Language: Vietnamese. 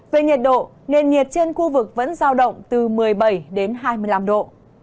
về nhiệt độ nền nhiệt trên khu vực vẫn giao động từ một mươi bảy đến hai mươi năm độ